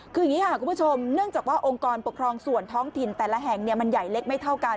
คืออย่างนี้ค่ะคุณผู้ชมเนื่องจากว่าองค์กรปกครองส่วนท้องถิ่นแต่ละแห่งมันใหญ่เล็กไม่เท่ากัน